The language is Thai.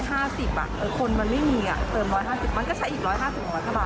หลายวงการมันจะช่วยได้ไหมฮะแบบนั้นอ่ะ